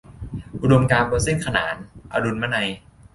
อุดมการณ์บนเส้นขนาน - อรุณมนัย